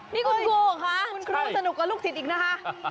นี่คุณครูเหรอคะคุณครูสนุกกับลูกศิษย์อีกนะคะ